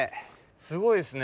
すごいっすね。